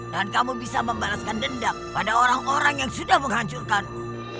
dan kamu bisa membalaskan dendam pada orang orang yang sudah menghancurkanmu